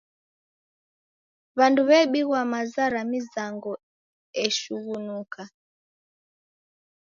W'andu w'ebighwa maza ra mizango eshughunuka.